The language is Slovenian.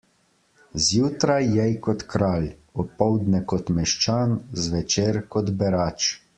Zjutraj jej kot kralj, opoldne kot meščan, zvečer kot berač.